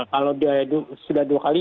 kalau sudah dua kali